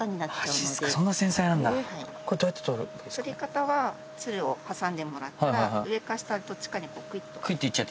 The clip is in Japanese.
取り方はツルを挟んでもらったら上か下どっちかにクイっと。